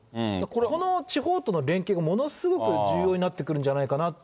この地方との連携がものすごく重要になってくるんじゃないかなと。